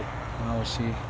惜しい。